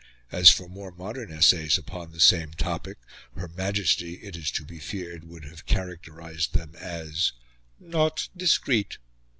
As for more modern essays upon the same topic, Her Majesty, it is to be feared, would have characterised them as "not discreet."